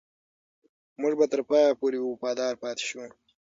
موږ به تر پایه پورې وفادار پاتې شو.